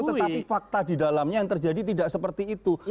tetapi fakta di dalamnya yang terjadi tidak seperti itu